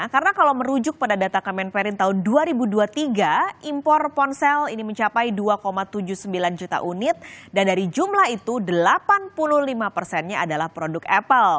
karena kalau merujuk pada data kemen perin tahun dua ribu dua puluh tiga impor ponsel ini mencapai dua tujuh puluh sembilan juta unit dan dari jumlah itu delapan puluh lima nya adalah produk apple